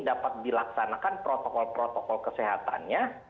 dapat dilaksanakan protokol protokol kesehatannya